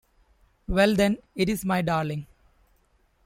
Well then, it is my darling!